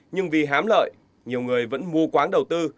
nhưng vì hám lợi nhiều người vẫn mua quán đầu tư